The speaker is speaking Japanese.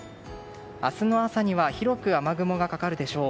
明日の朝には広く雨雲がかかるでしょう。